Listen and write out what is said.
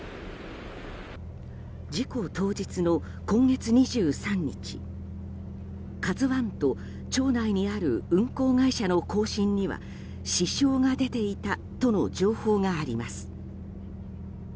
事故当日の今月２３日「ＫＡＺＵ１」と町内にある運航会社の交信には支障が出ていたとの情報があります。